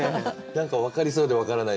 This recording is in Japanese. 何か分かりそうで分からない。